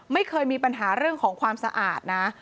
ไม่เคยมีปัญหาเรื่องของความสะอาดนะ